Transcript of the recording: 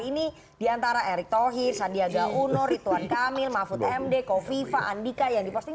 ini di antara erick tohir sandiaga unur rituan kamil mahfud md kofifa andika yang diposting